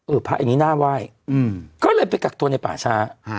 พระอันนี้น่าไหว้ก็เลยไปกักตัวในป่าช้า